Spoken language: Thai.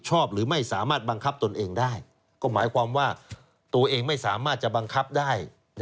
หรือไม่สามารถบังคับตนเองได้ก็หมายความว่าตัวเองไม่สามารถจะบังคับได้